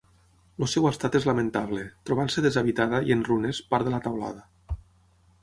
El seu estat és lamentable, trobant-se deshabitada i en runes part de la teulada.